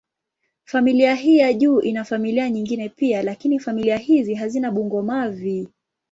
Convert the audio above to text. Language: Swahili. Familia hii ya juu ina familia nyingine pia, lakini familia hizi hazina bungo-mavi.